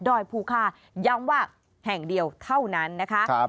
ภูคาย้ำว่าแห่งเดียวเท่านั้นนะคะ